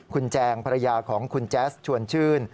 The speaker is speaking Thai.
คุณแจงภรรยาของคุณแจ๊สชวนชื่น